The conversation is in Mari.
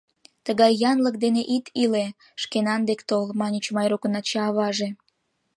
— Тыгай янлык дене ит иле, шкенан дек тол, — маньыч Майрукын ача-аваже.